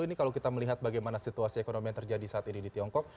ini kalau kita melihat bagaimana situasi ekonomi yang terjadi saat ini di tiongkok